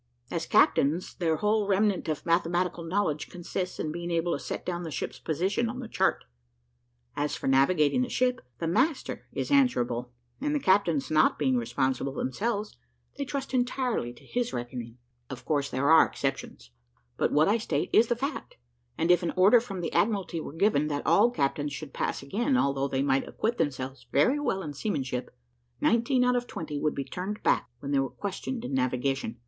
As captains, their whole remnant of mathematical knowledge consists in being able to set down the ship's position on the chart. As for navigating the ship, the master is answerable; and the captains not being responsible themselves, they trust entirely to his reckoning. Of course there are exceptions, but what I state is the fact; and if an order from the Admiralty were given, that all captains should pass again, although they might acquit themselves very well in seamanship, nineteen out of twenty would be turned back when they were questioned in navigation.